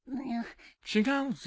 違うぜ。